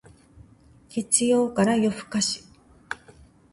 月曜から夜更かし